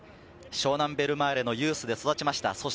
湘南ベルマーレのユースで育ちました。